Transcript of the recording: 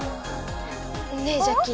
ねえジャッキー。